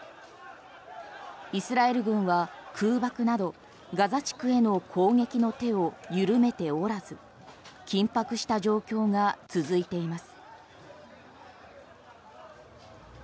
イスラエル軍は空爆などガザ地区への攻撃の手を緩めておらず緊迫した状況が続いています。